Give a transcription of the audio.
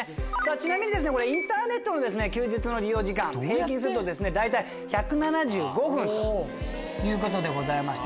ちなみにインターネットの休日の利用時間平均すると大体１７５分ということでして。